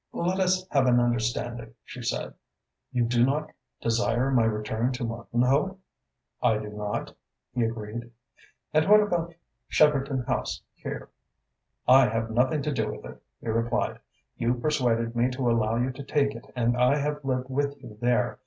"Let us have an understanding," she said. "You do not desire my return to Martinhoe?" "I do not," he agreed. "And what about Cheverton House here?" "I have nothing to do with it," he replied. "You persuaded me to allow you to take it and I have lived with you there.